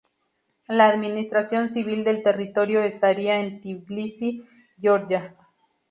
La administración civil del territorio estaría en Tbilisi, Georgia.